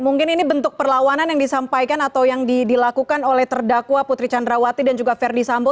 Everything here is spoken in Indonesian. mungkin ini bentuk perlawanan yang disampaikan atau yang dilakukan oleh terdakwa putri candrawati dan juga verdi sambo